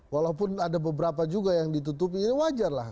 walaupun ada beberapa juga yang ditutupi ini wajar lah